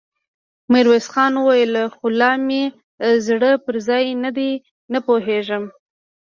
ميرويس خان وويل: خو لا مې زړه پر ځای نه دی، نه پوهېږم!